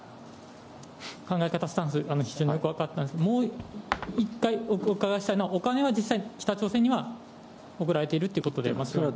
考え方、スタンス、非常によく分かったんですが、もう１回お伺いしたいのは、お金は実際に北朝鮮に送られているということでは？